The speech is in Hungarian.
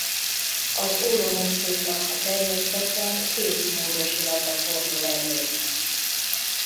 Az ólom-oxidnak a természetben két módosulata fordul elő.